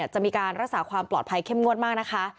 จะมีการรักษาความปลอดภัยเข้มงวดมากนะคะ